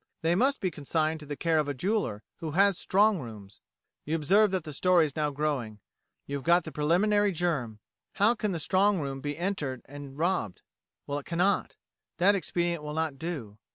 They must be consigned to the care of a jeweller who has strong rooms. You observe that the story is now growing. You have got the preliminary germ. How can the strong room be entered and robbed? Well, it cannot. That expedient will not do.